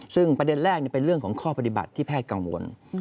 ซึ่งประเด็นแรกเป็นเรื่องของข้อปฏิบัติที่แพทย์กังวล